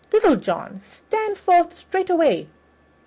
Little John, stand forth straightway."